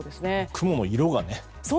雲も色がね。